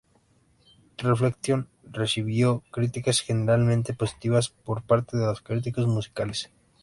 Reflection recibió críticas generalmente positivas por parte de los críticos musicales.